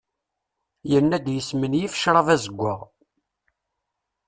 Yenna-d yesmenyif ccrab azewwaɣ.